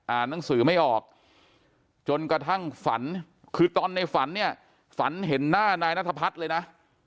หนังสือไม่ออกจนกระทั่งฝันคือตอนในฝันเนี่ยฝันเห็นหน้านายนัทพัฒน์เลยนะ